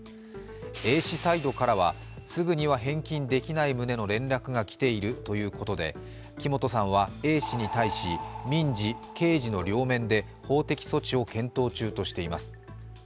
Ａ氏サイドからは、すぐには返金できない旨の連絡がきているということで木本さんはＡ氏に対し、民事・刑事の両面で法的措置を検討中としています。